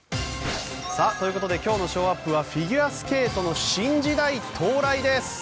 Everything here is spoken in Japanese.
ということで今日のショーアップはフィギュアスケートの新時代到来です。